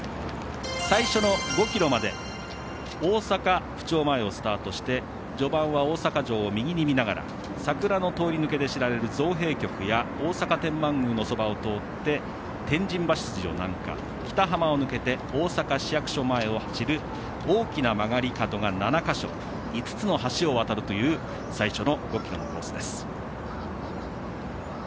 最初の５ｋｍまで大阪府庁前をスタートして序盤は大阪城を右に見ながら桜の通り抜けで知られる造幣局や大阪天満宮のそばを通って天神橋筋を南下、北浜を抜けて大阪市役所前を走る大きな曲がり角が７か所５つの橋を渡るという最初の５ｋｍのコースです。